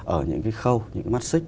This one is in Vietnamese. ở những cái khâu những cái mắt xích